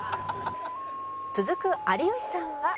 「続く有吉さんは」